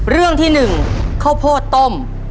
เรื่องที่๑ข้าวโพดต้ม